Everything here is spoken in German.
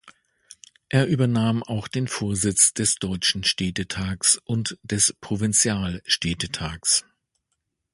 Er übernahm auch den Vorsitz des Deutschen Städtetags und des Provinzial-Städtetags.